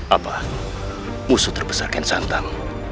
apa musuh terbesar kian santan